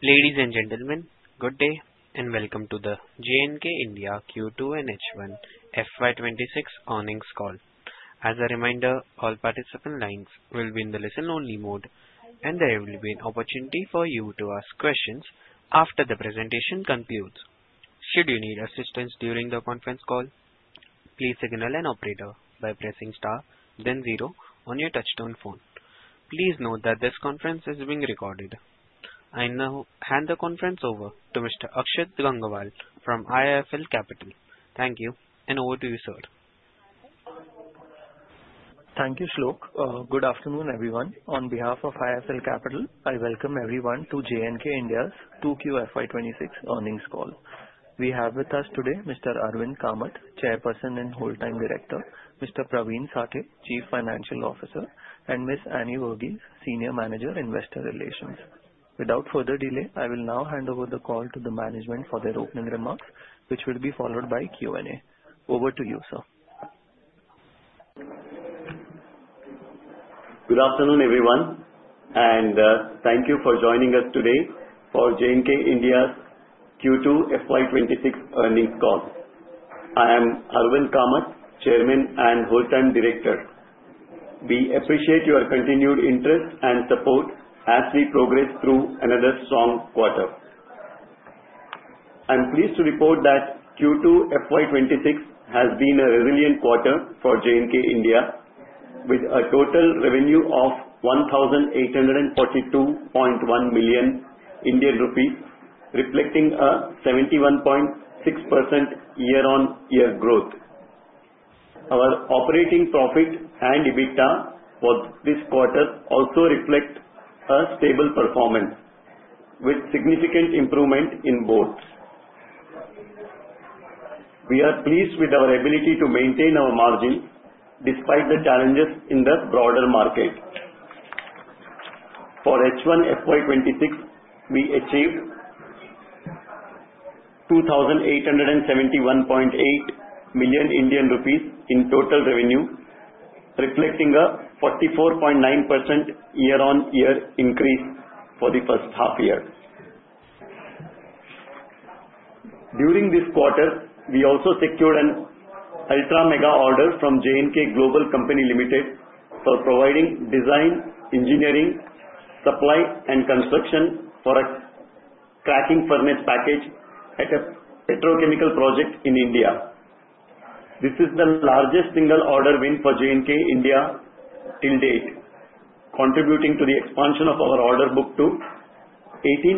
Ladies and gentlemen, good day and welcome to the JNK India Q2 and H1 FY 2026 earnings call. As a reminder all participant lines will be on listen-only mode and there will be an opportunity for you to ask questions after the presentation concludes. Should you need assistance during the conference call, please signal an operator by pressing star then zero on your touch-tone phone. Please note that this conference is being recorded. I now hand the conference over to Mr. Akshit Gangwal from IIFL Capital. Thank you, and over to you, sir. Thank you, Shlok. Good afternoon, everyone. On behalf of IIFL Capital, I welcome everyone to JNK India's 2Q FY 2026 earnings call. We have with us today Mr. Arvind Kamath, Chairperson and Whole-Time Director, Mr. Pravin Sathe, Chief Financial Officer, and Ms. Annie Varghese, Senior Manager, Investor Relations. Without further delay, I will now hand over the call to the management for their opening remarks, which will be followed by Q&A. Over to you, sir. Good afternoon, everyone, and thank you for joining us today for JNK India's Q2 FY 2026 earnings call. I am Arvind Kamath, Chairman and Whole-Time Director. We appreciate your continued interest and support as we progress through another strong quarter. I am pleased to report that Q2 FY 2026 has been a resilient quarter for JNK India, with a total revenue of 1,842.1 million Indian rupees, reflecting a 71.6% year-on-year growth. Our operating profit and EBITDA for this quarter also reflect a stable performance with significant improvement in both. We are pleased with our ability to maintain our margin despite the challenges in the broader market. For H1 FY 2026, we achieved 2,871.8 million Indian rupees in total revenue, reflecting a 44.9% year-on-year increase for the first half year. During this quarter, we also secured an ultra mega order from JNK Global Company Limited for providing design, engineering, supply, and construction for a cracking furnace package at a petrochemical project in India. This is the largest single order win for JNK India till date, contributing to the expansion of our order book to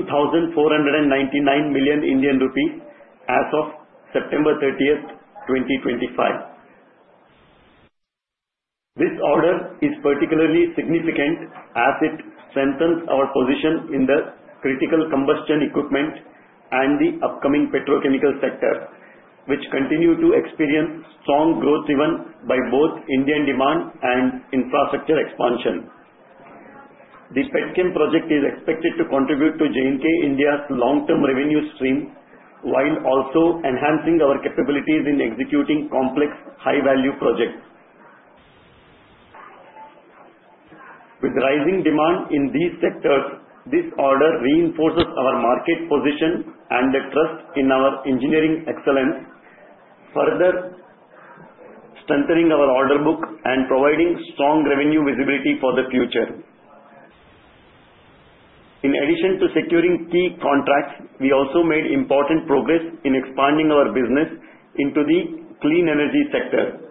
18,499 million Indian rupees as of September 30th, 2025. This order is particularly significant as it strengthens our position in the critical combustion equipment and the upcoming petrochemical sector, which continue to experience strong growth driven by both Indian demand and infrastructure expansion. This petchem project is expected to contribute to JNK India's long-term revenue stream while also enhancing our capabilities in executing complex, high-value projects. With rising demand in these sectors, this order reinforces our market position and the trust in our engineering excellence, further strengthening our order book and providing strong revenue visibility for the future. In addition to securing key contracts, we also made important progress in expanding our business into the clean energy sector.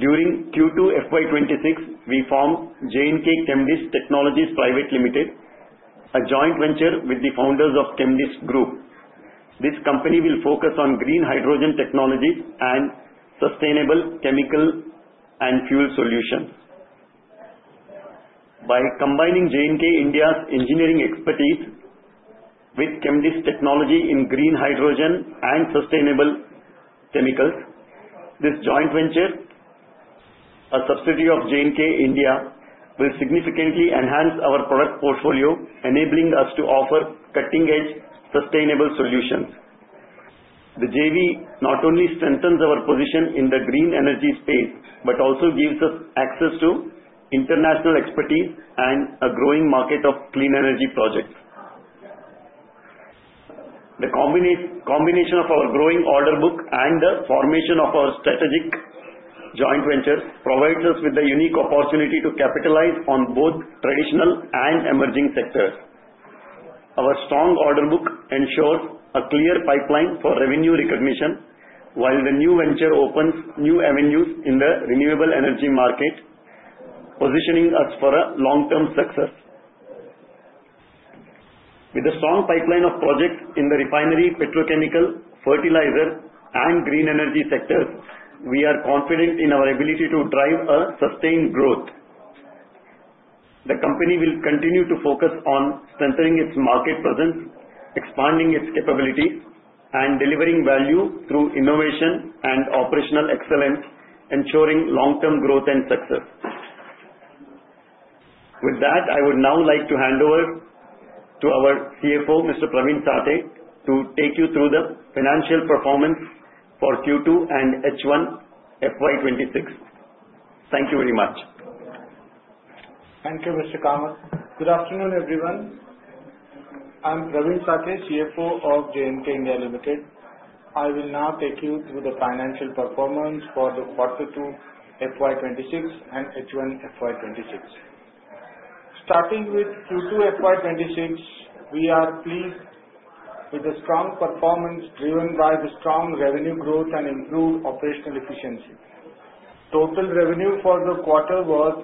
During Q2 FY 2026, we formed JNK Chemdist Technologies Private Limited, a joint venture with the founders of Chemdist Group. This company will focus on green hydrogen technologies and sustainable chemical and fuel solutions. By combining JNK India's engineering expertise with Chemdist technology in green hydrogen and sustainable chemicals, this joint venture, a subsidiary of JNK India, will significantly enhance our product portfolio, enabling us to offer cutting-edge sustainable solutions. The JV not only strengthens our position in the green energy space, but also gives us access to international expertise and a growing market of clean energy projects. The combination of our growing order book and the formation of our strategic joint ventures provides us with the unique opportunity to capitalize on both traditional and emerging sectors. Our strong order book ensures a clear pipeline for revenue recognition, while the new venture opens new avenues in the renewable energy market, positioning us for long-term success. With a strong pipeline of projects in the refinery, petrochemical, fertilizer, and green energy sectors, we are confident in our ability to drive a sustained growth. The company will continue to focus on centering its market presence, expanding its capabilities, and delivering value through innovation and operational excellence, ensuring long-term growth and success. With that, I would now like to hand over to our CFO, Mr. Pravin Sathe, to take you through the financial performance for Q2 and H1 FY 2026. Thank you very much. Thank you, Mr. Kamath. Good afternoon, everyone. I'm Pravin Sathe, CFO of JNK India Limited. I will now take you through the financial performance for the quarter two FY 2026 and H1 FY 2026. Starting with Q2 FY 2026, we are pleased with the strong performance driven by the strong revenue growth and improved operational efficiency. Total revenue for the quarter was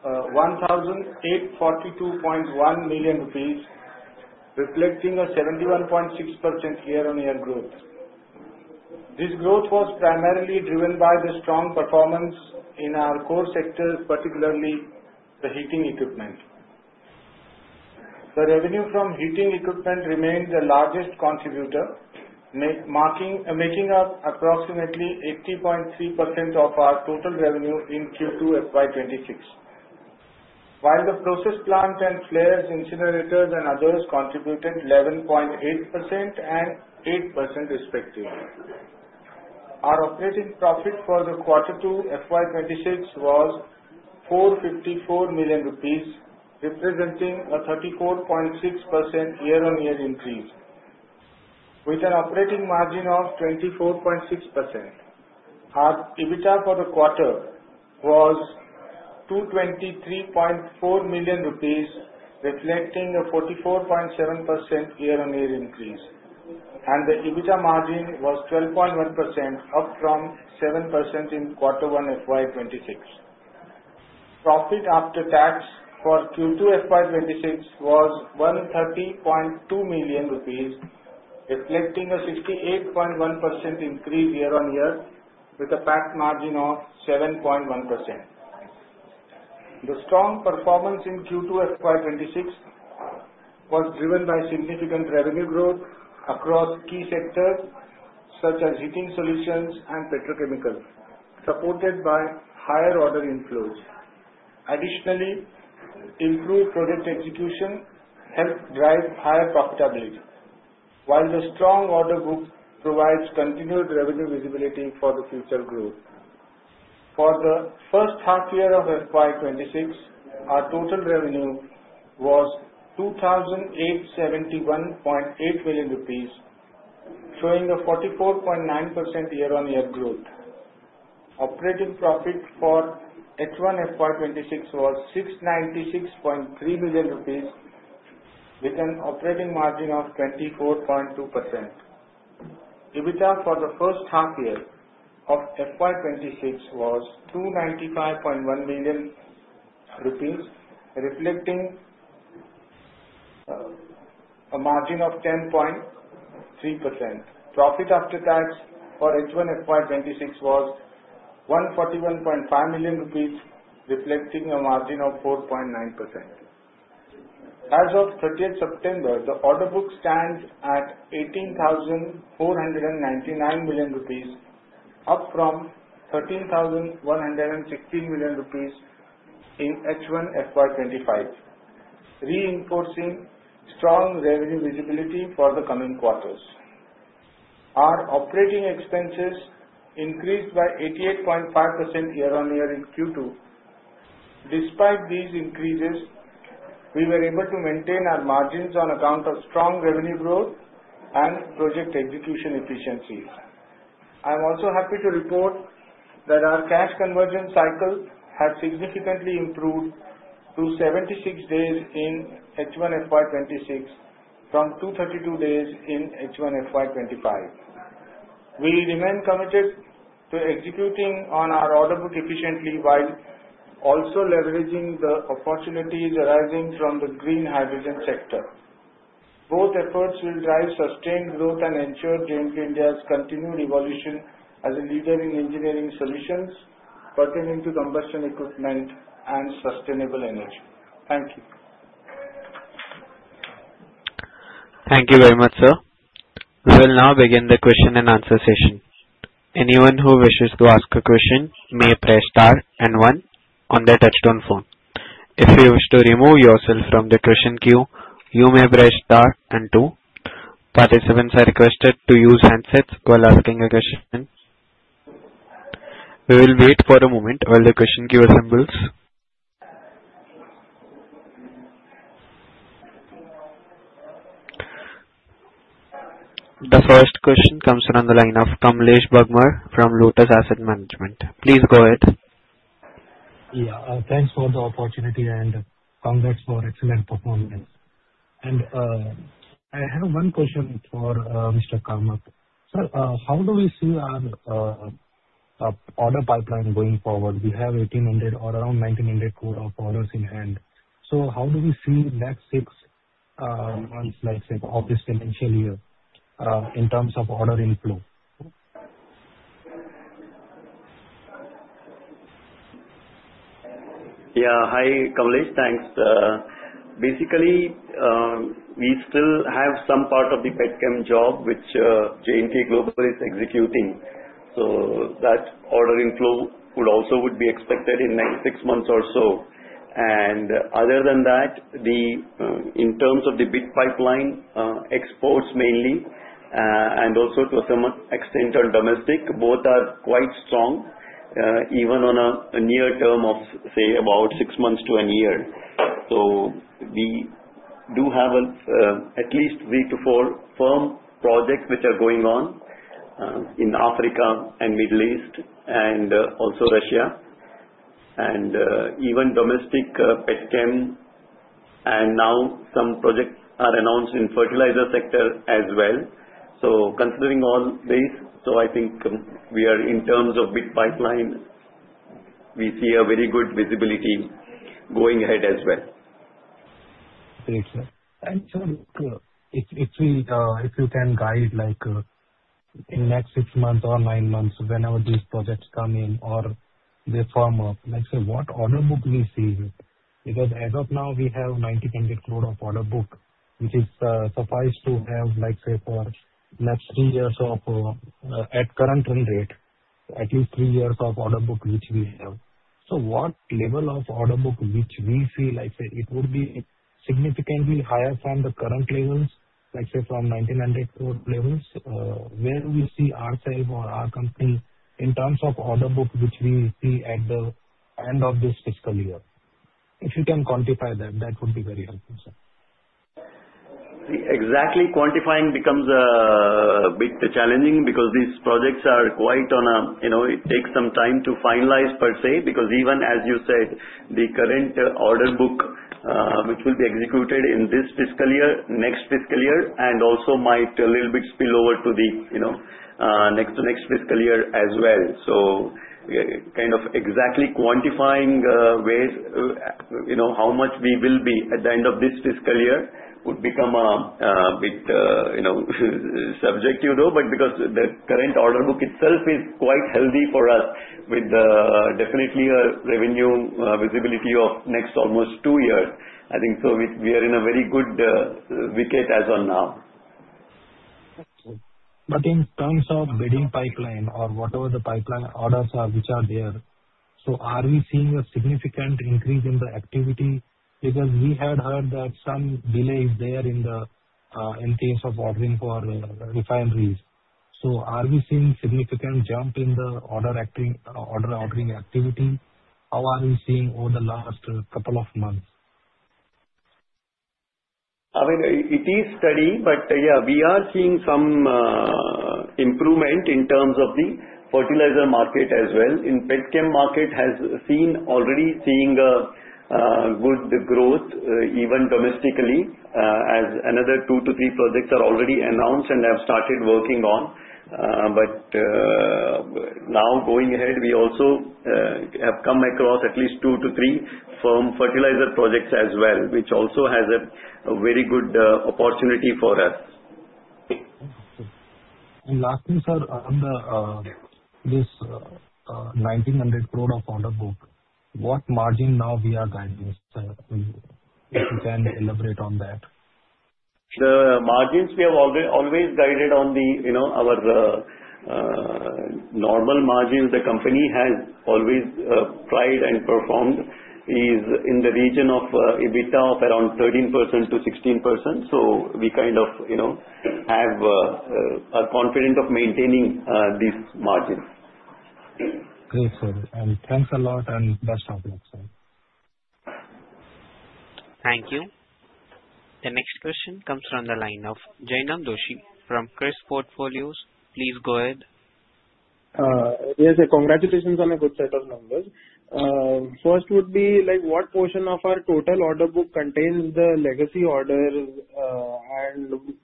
1,842.1 million rupees, reflecting a 71.6% year-on-year growth. This growth was primarily driven by the strong performance in our core sectors, particularly the heating equipment. The revenue from heating equipment remains the largest contributor, making up approximately 80.3% of our total revenue in Q2 FY 2026. While the process plant and flares, incinerators, and others contributed 11.8% and 8% respectively. Our operating profit for the quarter two FY 2026 was INR 454 million, representing a 34.6% year-on-year increase, with an operating margin of 24.6%. Our EBITDA for the quarter was 223.4 million rupees, reflecting a 44.7% year-on-year increase, and the EBITDA margin was 12.1%, up from 7% in Q1 FY 2026. Profit after tax for Q2 FY 2026 was 130.2 million rupees, reflecting a 68.1% increase year-on-year with a PAT margin of 7.1%. The strong performance in Q2 FY 2026 was driven by significant revenue growth across key sectors such as heating solutions and petrochemicals, supported by higher order inflows. Additionally, improved project execution helped drive higher profitability. While the strong order book provides continued revenue visibility for the future growth. For the first half year of FY 2026, our total revenue was 2,871.8 million rupees, showing a 44.9% year-on-year growth. Operating profit for H1 FY 2026 was INR 696.3 million, with an operating margin of 24.2%. EBITDA for the first half year of FY 2026 was 295.1 million rupees, reflecting a margin of 10.3%. Profit after tax for H1 FY 2026 was 141.5 million rupees, reflecting a margin of 4.9%. As of 30th September, the order book stands at 18,499 million rupees, up from 13,116 million rupees in H1 FY2025, reinforcing strong revenue visibility for the coming quarters. Our operating expenses increased by 88.5% year-on-year in Q2. Despite these increases, we were able to maintain our margins on account of strong revenue growth and project execution efficiencies. I'm also happy to report that our cash conversion cycle has significantly improved to 76 days in H1 FY2026 from 232 days in H1 FY2025. We remain committed to executing on our order book efficiently, while also leveraging the opportunities arising from the green hydrogen sector. Both efforts will drive sustained growth and ensure JNK India's continued evolution as a leader in engineering solutions pertaining to combustion equipment and sustainable energy. Thank you. Thank you very much, sir. We will now begin the question-and-answer session. Anyone who wishes to ask a question may press star and one on their touch-tone phone. If you wish to remove yourself from the question queue, you may press star and two. Participants are requested to use handsets while asking a question. We will wait for a moment while the question queue assembles. The first question comes in on the line of Kamlesh Bagmar from Lotus Asset Management. Please go ahead. Yeah. Thanks for the opportunity and congrats for excellent performance. I have one question for Mr. Kamath. Sir, how do we see our order pipeline going forward? We have 1,800 crore or around 1,900 crore of orders in hand. How do we see next six months, let's say, of this financial year in terms of order inflow? Yeah. Hi, Kamlesh. Thanks. Basically, we still have some part of the petchem job, which JNK Global is executing. That order inflow would also be expected in next six months or so. Other than that, in terms of the big pipeline, exports mainly, and also to some extent on domestic, both are quite strong, even on a near term of, say, about six months to a year. We do have at least three to four firm projects which are going on in Africa and Middle East, and also Russia. Even domestic petchem. Now some projects are announced in fertilizer sector as well. Considering all this, I think in terms of big pipeline, we see a very good visibility going ahead as well. Great, sir. Sir, if you can guide in next six months or nine months, whenever these projects come in or they firm up, let's say, what order book we see? As of now, we have 1,900 crore of order book, which is suffice to have, let's say, for next three years, at current run rate, at least three years of order book which we have. What level of order book which we see, let's say it would be significantly higher from the current levels, let's say from 1,900 crore levels. Where do we see ourselves or our company in terms of order book, which we see at the end of this fiscal year? If you can quantify that would be very helpful, sir. Exactly quantifying becomes a bit challenging because these projects it takes some time to finalize per se, because even as you said, the current order book which will be executed in this fiscal year, next fiscal year, and also might a little bit spill over to the next to next fiscal year as well. Kind of exactly quantifying ways, how much we will be at the end of this fiscal year would become a bit subjective, though. Because the current order book itself is quite healthy for us with definitely a revenue visibility of next almost two years, I think we are in a very good wicket as on now. Okay. In terms of bidding pipeline or whatever the pipeline orders are, which are there, are we seeing a significant increase in the activity? We had heard that some delay is there in case of ordering for refineries. Are we seeing significant jump in the ordering activity? How are we seeing over the last couple of months? I mean, it is steady, yeah, we are seeing some improvement in terms of the fertilizer market as well. Petchem market already seeing a good growth even domestically, as another two to three projects are already announced and have started working on. Now going ahead, we also have come across at least two to three firm fertilizer projects as well, which also has a very good opportunity for us. Okay. Last thing, sir, on this 1,900 crore of order book, what margin now we are guiding, sir? If you can elaborate on that. The margins we have always guided on our normal margins the company has always tried and performed is in the region of EBITDA of around 13%-16%. We kind of are confident of maintaining these margins. Great, sir. Thanks a lot, and best of luck, sir. Thank you. The next question comes from the line of Jainam Doshi from KRIIS Portfolio. Please go ahead. Yes, sir. Congratulations on a good set of numbers. First would be what portion of our total order book contains the legacy orders?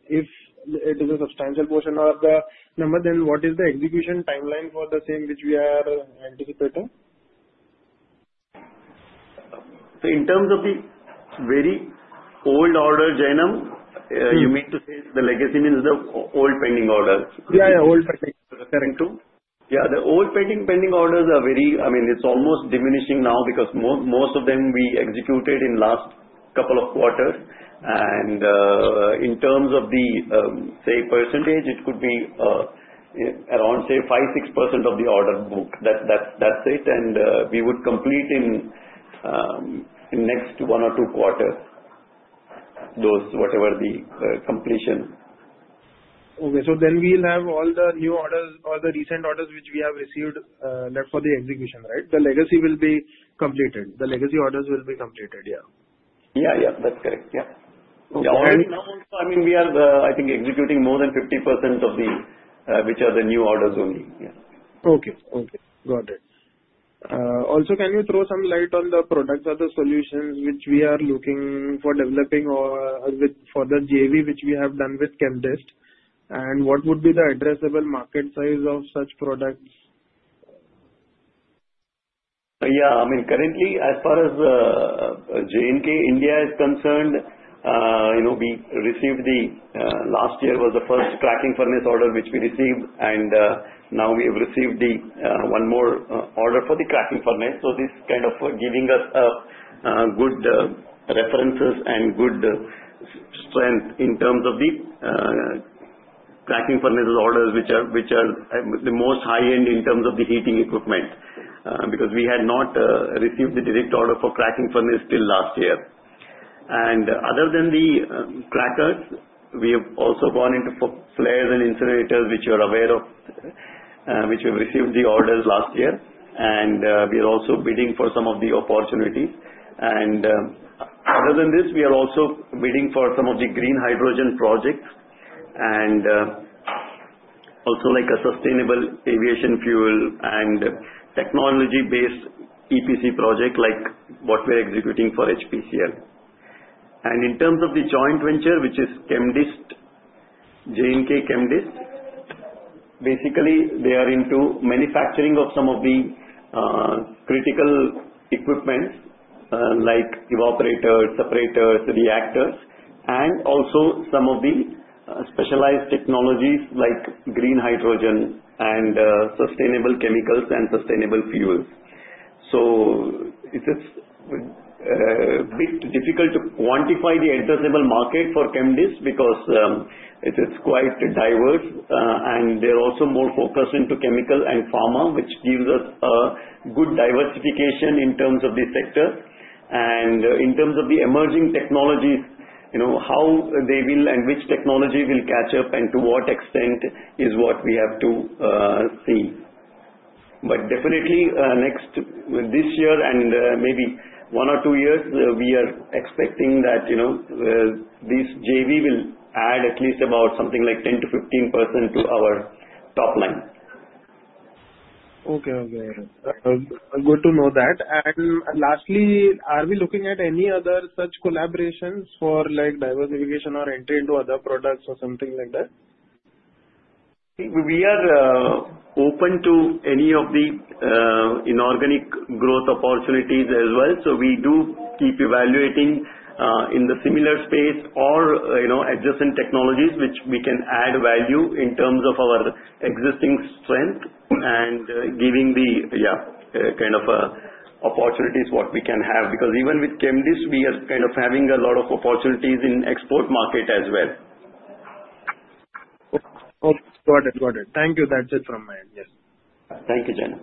If it is a substantial portion of the number, then what is the execution timeline for the same which we are anticipating? In terms of the very old orders, Jainam, you mean to say the legacy means the old pending orders? Yeah, old pending, referring to. Yeah. The old pending orders, it's almost diminishing now because most of them we executed in last couple of quarters. In terms of the percentage, it could be around, say, 5%, 6% of the order book. That's it. We would complete in next one or two quarters, those whatever the completion. Okay. We'll have all the new orders or the recent orders which we have received left for the execution, right? The legacy will be completed. The legacy orders will be completed, yeah. Yeah. That's correct. Yeah. Okay. Now also, we are, I think, executing more than 50% of which are the new orders only. Yeah. Okay. Got it. Can you throw some light on the products or the solutions which we are looking for developing for the JV which we have done with Chemdist? What would be the addressable market size of such products? Yeah. Currently, as far as JNK India is concerned, last year was the first cracking furnace order which we received, and now we have received one more order for the cracking furnace. This kind of giving us good references and good strength in terms of cracking furnace orders, which are the most high-end in terms of the heating equipment. We had not received the direct order for cracking furnace till last year. Other than the crackers, we have also gone into flares and incinerators, which you're aware of, which we received the orders last year. We are also bidding for some of the opportunities. Other than this, we are also bidding for some of the green hydrogen projects, and also like a sustainable aviation fuel and technology-based EPC project like what we're executing for HPCL. In terms of the joint venture, which is Chemdist, JNK Chemdist, basically they are into manufacturing of some of the critical equipment, like evaporators, separators, reactors, and also some of the specialized technologies like green hydrogen and sustainable chemicals and sustainable fuels. It is a bit difficult to quantify the addressable market for Chemdist because it is quite diverse. They're also more focused into chemical and pharma, which gives us a good diversification in terms of the sector. In terms of the emerging technologies, how they will and which technology will catch up and to what extent is what we have to see. Definitely, this year and maybe one or two years, we are expecting that this JV will add at least about something like 10%-15% to our top line. Okay. Good to know that. Lastly, are we looking at any other such collaborations for diversification or entry into other products or something like that? We are open to any of the inorganic growth opportunities as well. We do keep evaluating in the similar space or adjacent technologies which we can add value in terms of our existing strength and giving the kind of opportunities what we can have. Even with Chemdist, we are kind of having a lot of opportunities in export market as well. Okay, got it. Thank you. That's it from my end. Thank you, Jainam.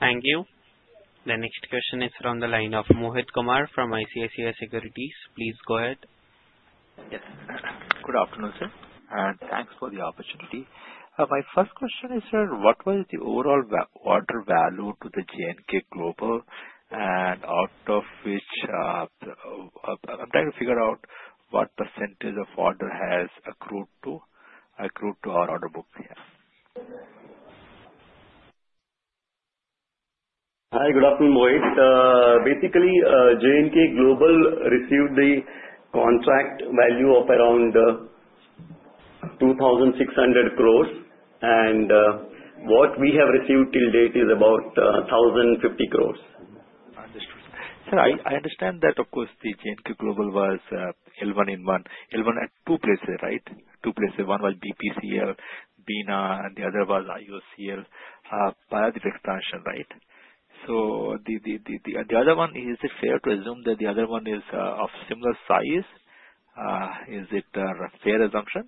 Thank you. The next question is on the line of Mohit Kumar from ICICI Securities. Please go ahead. Yes. Good afternoon, sir, thanks for the opportunity. My first question is, sir, what was the overall order value to the JNK Global? Out of which, I'm trying to figure out what percentage of order has accrued to our order book we have. Hi. Good afternoon, Mohit. Basically, JNK Global received the contract value of around 2,600 crores, and what we have received till date is about 1,050 crores. Understood. Sir, I understand that, of course, JNK Global was L1 at two places, right? Two places. One was BPCL Bina and the other was IOCL Paradip expansion, right? The other one, is it fair to assume that the other one is of similar size? Is it a fair assumption?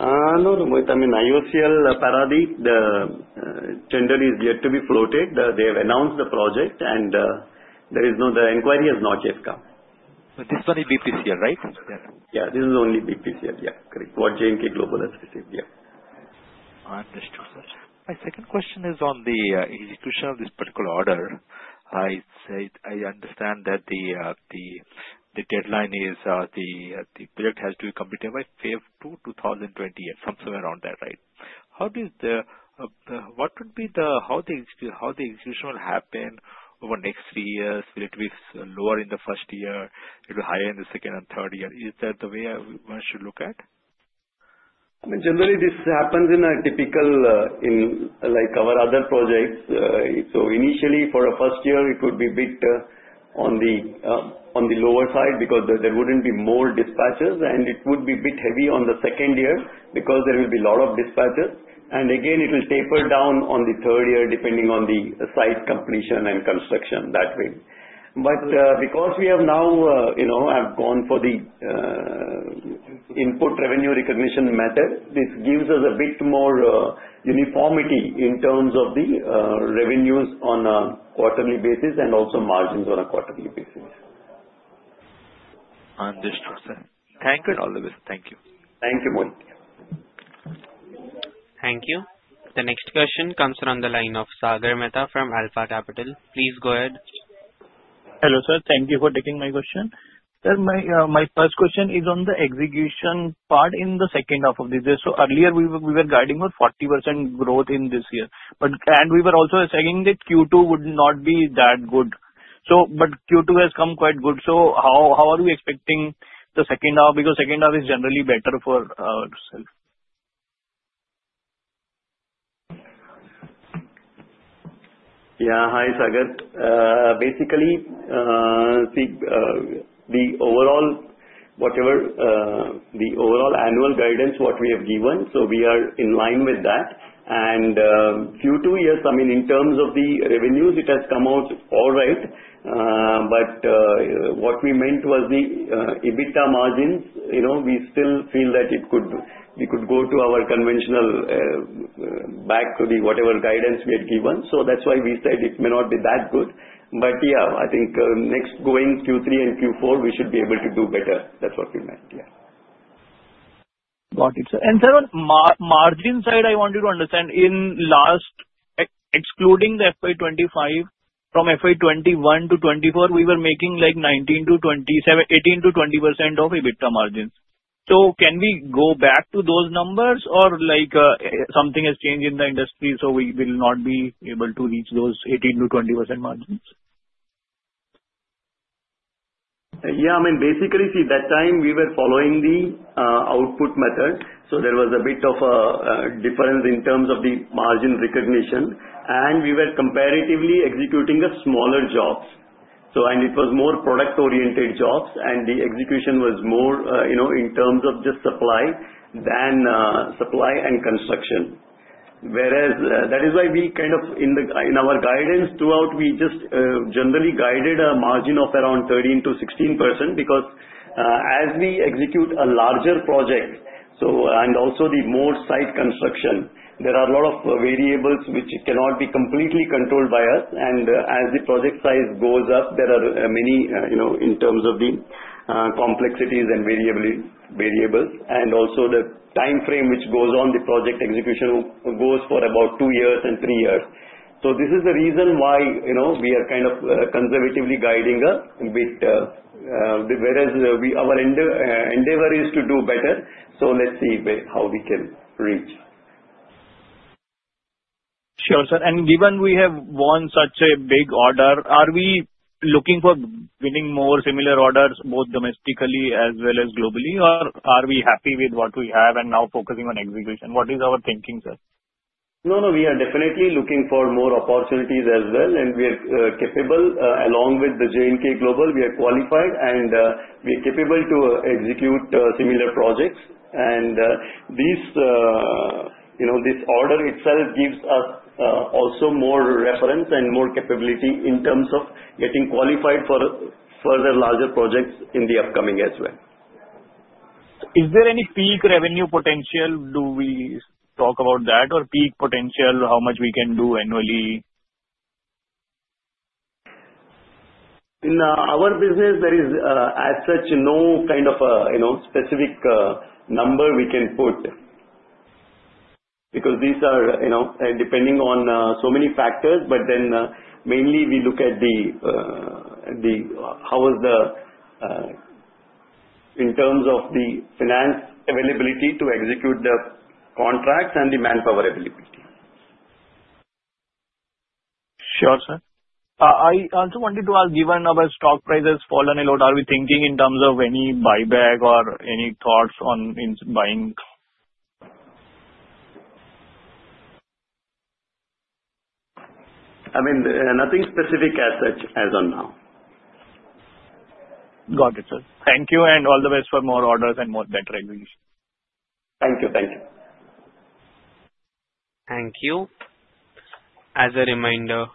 No, Mohit. In IOCL Paradip, the tender is yet to be floated. They have announced the project, and the inquiry has not yet come. This one is BPCL, right? Yeah, this is only BPCL. Yeah, correct. What JNK Global has received. Yeah. Understood, sir. My second question is on the execution of this particular order. I understand that the project has to be completed by February 2028, somewhere around that, right? How the execution will happen over next three years? It will be lower in the first year, it'll be higher in the second and third year. Is that the way one should look at? Generally, this happens in like our other projects. Initially for the first year, it would be a bit on the lower side because there wouldn't be more dispatches, and it would be a bit heavy on the second year because there will be lot of dispatches. Again, it will taper down on the third year, depending on the site completion and construction that way. Because we have now gone for the input revenue recognition method, this gives us a bit more uniformity in terms of the revenues on a quarterly basis and also margins on a quarterly basis. Understood, sir. Thank you. All the best. Thank you. Thank you, Mohit. Thank you. The next question comes from the line of [Sagar Mehta] from Alpha Capital. Please go ahead. Hello, sir. Thank you for taking my question. Sir, my first question is on the execution part in the second half of this year. Earlier we were guiding on 40% growth in this year. We were also saying that Q2 would not be that good. Q2 has come quite good. How are we expecting the second half? Because second half is generally better for ours? Yeah. Hi, [Sagar]. Basically, the overall annual guidance, what we have given, so we are in line with that. Q2 yes, in terms of the revenues, it has come out all right. What we meant was the EBITDA margins. We still feel that we could go to our conventional, back to whatever guidance we had given. That's why we said it may not be that good. Yeah, I think next going Q3 and Q4, we should be able to do better. That's what we meant. Yeah. Got it, sir. Sir, on margin side, I wanted to understand, in last, excluding the FY 2025, from FY 2021-2024, we were making 18%-20% of EBITDA margins. Can we go back to those numbers or something has changed in the industry, so we will not be able to reach those 18%-20% margins? Yeah. Basically, see that time, we were following the output method. There was a bit of a difference in terms of the margin recognition. We were comparatively executing the smaller jobs. It was more product-oriented jobs, and the execution was more in terms of just supply than supply and construction. That is why in our guidance throughout, we just generally guided a margin of around 13%-16%, because as we execute a larger project, and also the more site construction, there are a lot of variables which cannot be completely controlled by us. As the project size goes up, there are many in terms of the complexities and variables. Also the time frame which goes on the project execution goes for about two years and three years. This is the reason why we are kind of conservatively guiding a bit, whereas our endeavor is to do better. Let's see how we can reach. Sure, sir. Given we have won such a big order, are we looking for winning more similar orders, both domestically as well as globally? Are we happy with what we have and now focusing on execution? What is our thinking, sir? We are definitely looking for more opportunities as well, and we are capable, along with JNK Global, we are qualified and we are capable to execute similar projects. This order itself gives us also more reference and more capability in terms of getting qualified for further larger projects in the upcoming as well. Is there any peak revenue potential? Do we talk about that, or peak potential, how much we can do annually? In our business, there is as such no kind of specific number we can put, because these are depending on so many factors. Mainly we look at how is the finance availability to execute the contracts and the manpower availability. Sure, sir. I also wanted to ask, given our stock price has fallen a lot, are we thinking in terms of any buyback or any thoughts on buying? Nothing specific as such as on now. Got it, sir. Thank you and all the best for more orders and more better execution. Thank you. Thank you. As a reminder,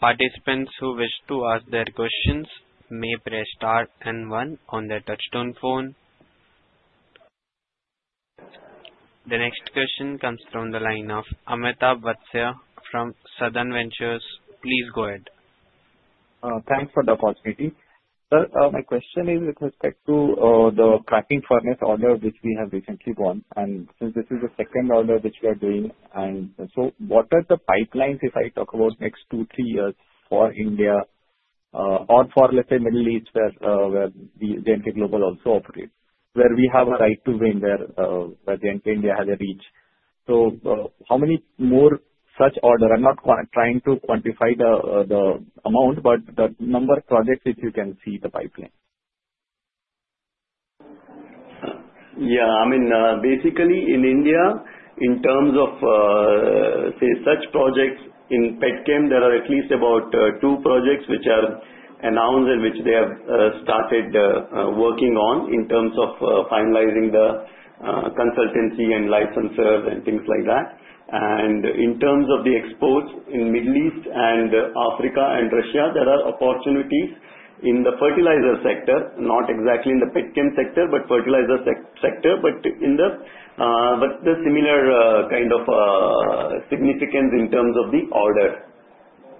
participants who wish to ask their questions may press star and one on their touch-tone phone. The next question comes from the line of Amitabh Vatsya from Sadhan Ventures. Please go ahead. Thanks for the opportunity. Sir, my question is with respect to the cracking furnace order which we have recently won, since this is the second order which we are doing. What are the pipelines, if I talk about next two, three years for India or for, let's say, Middle East, where JNK Global also operates, where we have a right to win, where JNK India has a reach. How many more such order? I'm not trying to quantify the amount, but the number of projects which you can see in the pipeline. Yeah. Basically, in India, in terms of such projects, in petchem, there are at least about two projects which are announced and which they have started working on in terms of finalizing the consultancy and licensors and things like that. In terms of the exports in Middle East and Africa and Russia, there are opportunities in the fertilizer sector. Not exactly in the petchem sector, but fertilizer sector, but the similar kind of significance in terms of the order.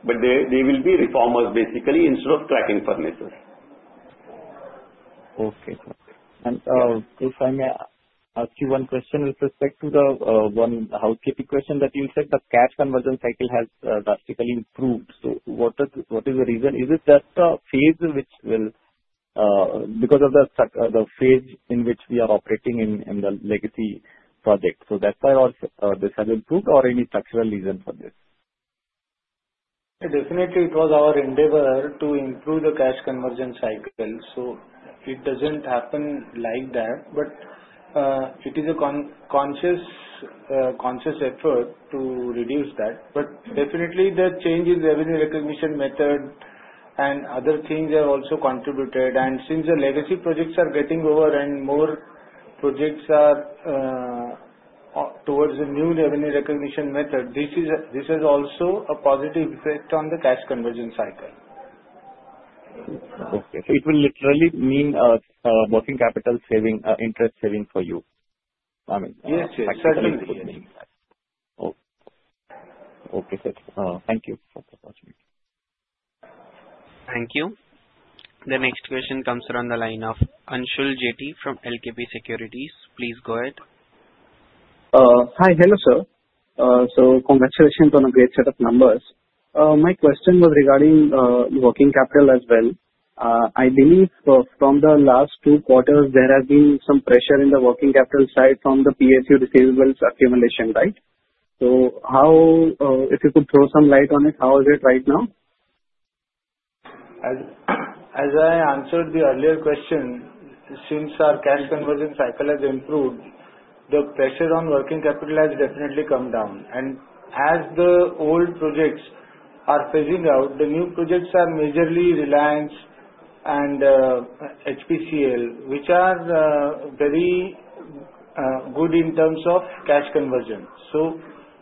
They will be reformers, basically, instead of cracking furnaces. Okay. If I may ask you one question with respect to the one housekeeping question that you said, the cash conversion cycle has drastically improved. What is the reason? Is it just because of the phase in which we are operating in the legacy project, so that's why this has improved, or any structural reason for this? Definitely, it was our endeavor to improve the cash conversion cycle. It doesn't happen like that. It is a conscious effort to reduce that. Definitely, the change in revenue recognition method and other things have also contributed. Since the legacy projects are getting over and more projects are towards the new revenue recognition method, this is also a positive effect on the cash conversion cycle. Okay. It will literally mean a working capital saving, interest saving for you. Yes, certainly. Okay, sir. Thank you for the opportunity. Thank you. The next question comes from the line of [Anshul J.T.] from LKP Securities. Please go ahead. Hi. Hello, sir. Congratulations on a great set of numbers. My question was regarding working capital as well. I believe from the last two quarters, there has been some pressure in the working capital side from the PSU receivables accumulation, right? If you could throw some light on it, how is it right now? As I answered the earlier question, since our cash conversion cycle has improved, the pressure on working capital has definitely come down. As the old projects are phasing out, the new projects are majorly Reliance and HPCL, which are very good in terms of cash conversion.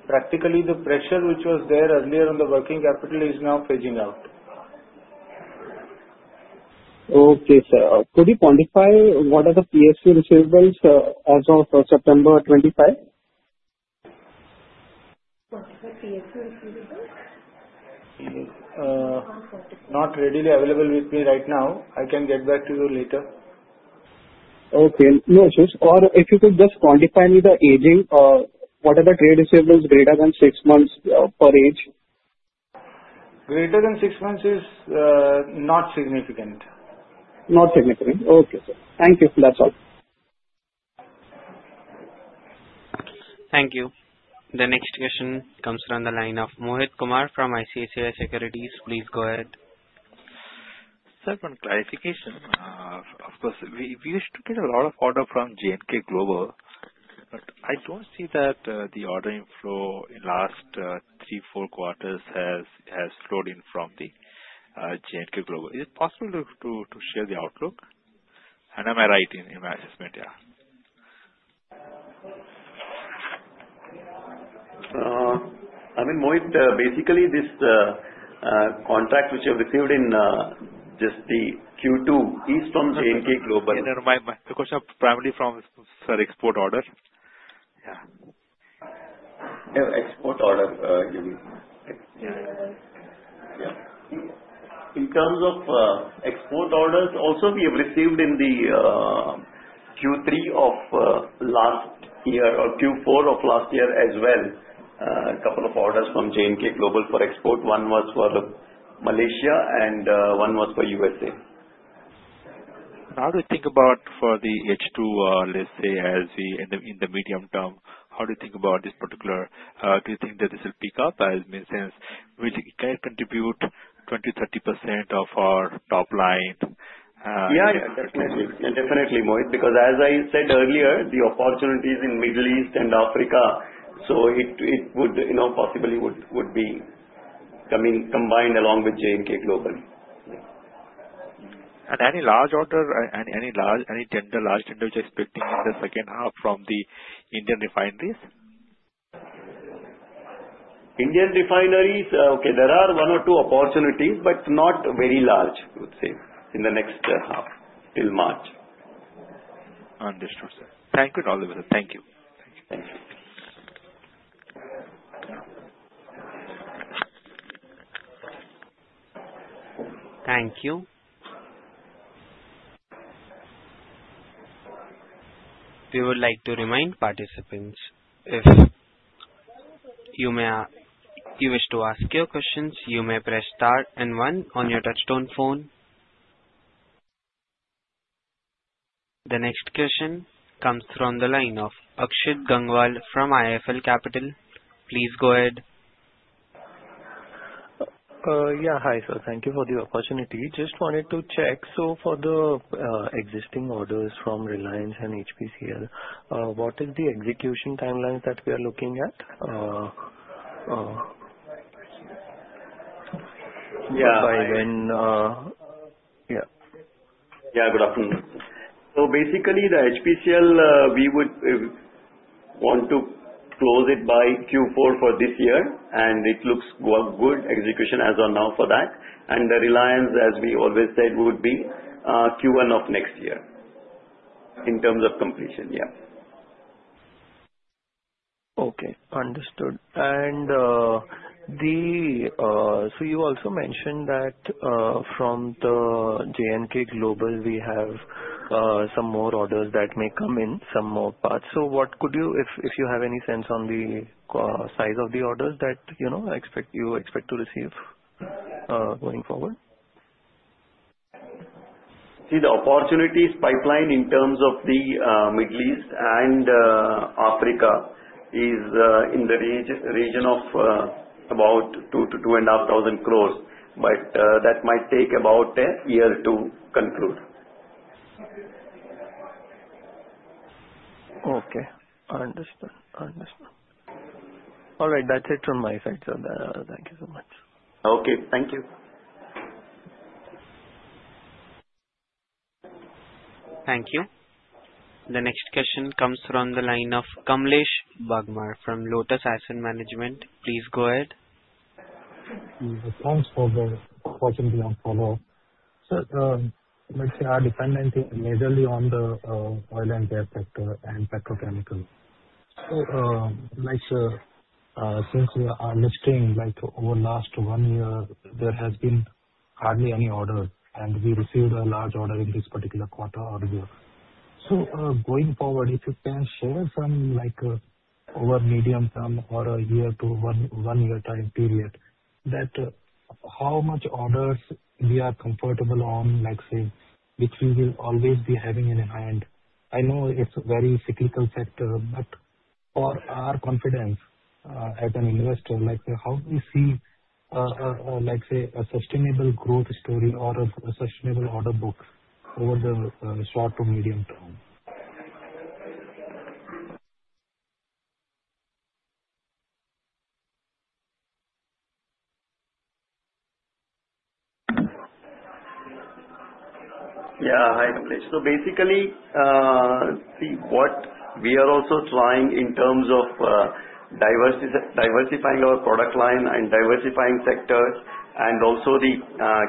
Practically, the pressure which was there earlier on the working capital is now phasing out. Okay, sir. Could you quantify what are the PSU receivables as of September 2025? Quantify PSU receivables? Not readily available with me right now. I can get back to you later. Okay. No issues. If you could just quantify me the aging or what are the trade receivables greater than six months per age. Greater than six months is not significant. Not significant. Okay, sir. Thank you. That's all. Thank you. The next question comes from the line of Mohit Kumar from ICICI Securities. Please go ahead. Sir, one clarification. Of course, we used to get a lot of order from JNK Global. I don't see that the ordering flow in last three, four quarters has flowed in from the JNK Global. Is it possible to share the outlook? Am I right in my assessment, yeah? I mean, Mohit, basically, this contract which you have received in just the Q2 is from JNK Global. My question is primarily from, sir, export order. Yeah. Yeah, export order. In terms of export orders, also we have received in the Q3 of last year or Q4 of last year as well, a couple of orders from JNK Global for export. One was for Malaysia and one was for U.S.A. How do you think about for the H2, let's say, as we in the medium term? Do you think that this will pick up? As in sense, will it contribute 20%, 30% of our top line? Yeah, definitely, Mohit, because as I said earlier, the opportunities in Middle East and Africa, so it possibly would be combined along with JNK Global. Yeah. Any large order, any large tender which is expecting in the second half from the Indian refineries? Indian refineries, okay, there are one or two opportunities, but not very large, I would say, in the next half till March. Understood, sir. Thank you. It is all the best. Thank you. Thank you. We would like to remind participants, if you wish to ask your questions, you may press star and one on your touchtone phone. The next question comes from the line of Akshit Gangwal from IIFL Capital. Please go ahead. Yeah. Hi, sir. Thank you for the opportunity. Just wanted to check. For the existing orders from Reliance and HPCL, what is the execution timelines that we are looking at? Yeah. By when? Yeah. Good afternoon. The HPCL, we would want to close it by Q4 for this year, and it looks good execution as on now for that. The Reliance, as we always said, would be Q1 of next year in terms of completion. Yes. Okay, understood. You also mentioned that from the JNK Global, we have some more orders that may come in some more parts. If you have any sense on the size of the orders that you expect to receive going forward? The opportunities pipeline in terms of the Middle East and Africa is in the region of about 2,000 crore-2,500 crore, but that might take about a year to conclude. Okay, I understand. All right, that's it from my side, sir. Thank you so much. Okay, thank you. Thank you. The next question comes from the line of Kamlesh Bagmar from Lotus Asset Management. Please go ahead. Thanks for the question beyond follow. Sir, let's say our dependent is majorly on the oil and gas sector and petrochemical. Since we are listing, over the last one year, there has been hardly any orders, and we received a large order in this particular quarter or year. Going forward, if you can share from over medium-term or a one-year time period how much orders we are comfortable on, let's say, which we will always be having in hand. I know it's a very cyclical sector, but for our confidence as an investor how do you see, let's say, a sustainable growth story or a sustainable order book over the short to medium term? Yeah. Hi, Kamlesh. Basically, see what we are also trying in terms of diversifying our product line and diversifying sectors and also the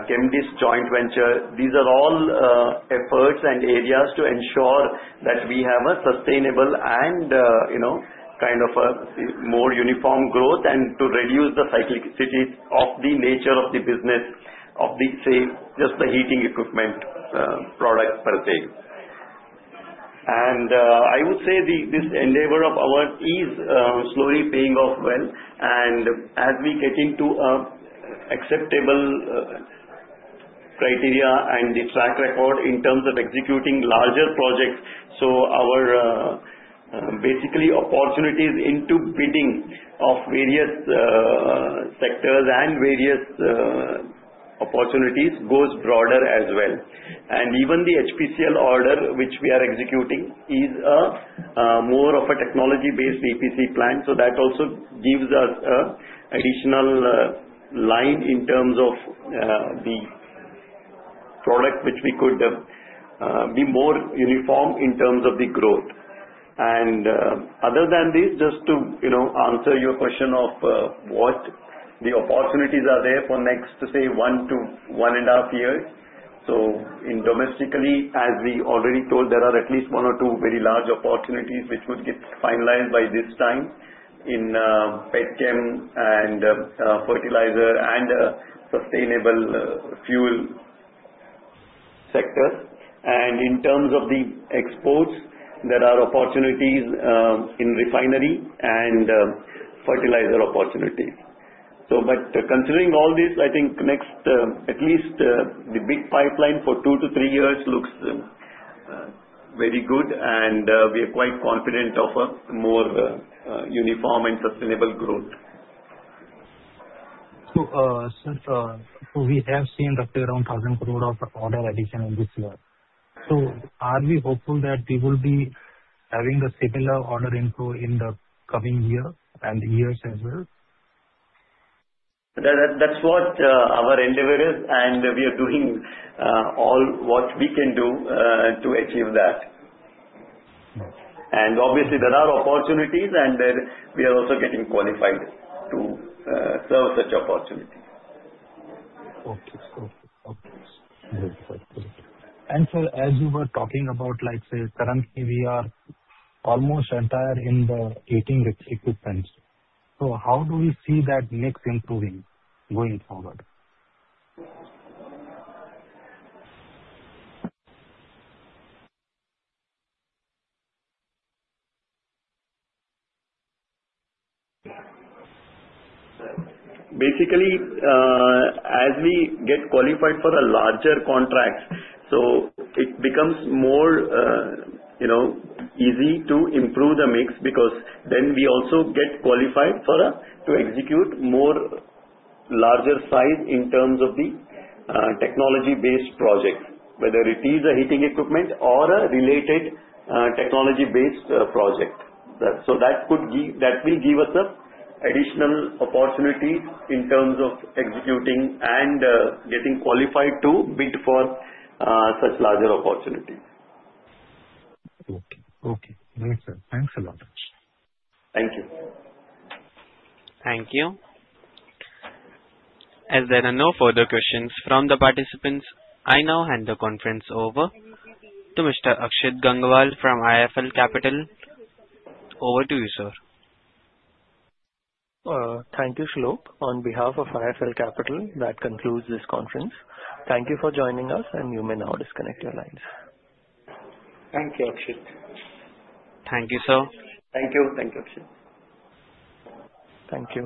Chemdist joint venture, these are all efforts and areas to ensure that we have a sustainable and a more uniform growth and to reduce the cyclicities of the nature of the business of the, say, just the heating equipment products per se. I would say this endeavor of ours is slowly paying off well. As we get into acceptable criteria and the track record in terms of executing larger projects, our basically opportunities into bidding of various sectors and various opportunities goes broader as well. Even the HPCL order, which we are executing, is more of a technology-based EPC plan, so that also gives us additional line in terms of the product which we could be more uniform in terms of the growth. Other than this, just to answer your question of what the opportunities are there for next, say, one to one and a half years. Domestically, as we already told, there are at least one or two very large opportunities which would get finalized by this time in petchem and fertilizer and sustainable fuel sector. In terms of the exports, there are opportunities in refinery and fertilizer opportunities. Considering all this, I think next, at least the big pipeline for two to three years looks very good, and we are quite confident of a more uniform and sustainable growth. We have seen roughly around 1,000 crore of order addition in this year. Are we hopeful that we will be having a similar order inflow in the coming year and years as well? That's what our endeavor is, and we are doing all what we can do to achieve that. Obviously, there are opportunities, and then we are also getting qualified to serve such opportunities. Okay. Sir, as you were talking about, let's say, currently, we are almost entire in the heating equipment. How do we see that mix improving going forward? As we get qualified for larger contracts, it becomes more easy to improve the mix because then we also get qualified to execute more larger size in terms of the technology-based projects, whether it is a heating equipment or a related technology-based project. That will give us additional opportunity in terms of executing and getting qualified to bid for such larger opportunities. Okay. Thanks a lot. Thank you. Thank you. As there are no further questions from the participants, I now hand the conference over to Mr. Akshit Gangwal from IIFL Capital. Over to you, sir. Thank you, Shlok. On behalf of IIFL Capital, that concludes this conference. Thank you for joining us, and you may now disconnect your lines. Thank you, Akshit. Thank you, sir. Thank you. Thank you, Akshit. Thank you.